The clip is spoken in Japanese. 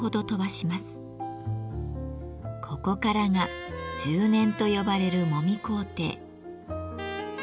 ここからが揉捻と呼ばれるもみ工程。